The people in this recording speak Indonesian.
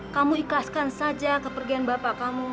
kamu ikhlaskan saja kepergian bapak kamu